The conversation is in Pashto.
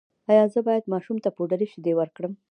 ایا زه باید ماشوم ته پوډري شیدې ورکړم؟